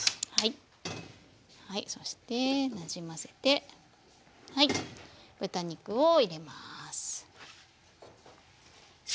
そしてなじませて豚肉を入れます。